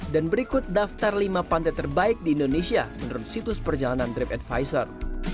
dan berikut daftar lima pantai terbaik di indonesia menurut situs perjalanan tripadvisor